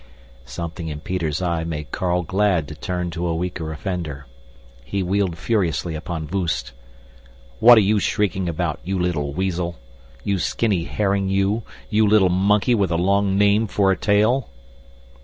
Something in Peter's eye made Carl glad to turn to a weaker offender. He wheeled furiously upon Voost. "What are you shrieking about, you little weasel? You skinny herring you, you little monkey with a long name for a tail!"